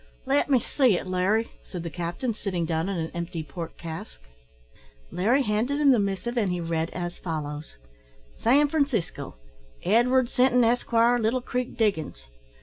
"Let me see it, Larry," said the captain, sitting down on an empty pork cask. Larry handed him the missive, and he read as follows: "San Francisco. "Edward Sinton, Esquire, Little Creek Diggings.